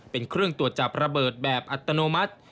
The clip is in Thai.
เป็นเครื่องตรวจจับระเบิดแบบอัตโนมัติ